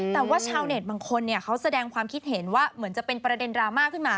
แต่ว่าชาวเน็ตบางคนเขาแสดงความคิดเห็นว่าเหมือนจะเป็นประเด็นดราม่าขึ้นมา